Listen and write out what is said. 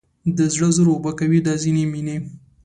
د زړه زور اوبه کوي دا ځینې مینې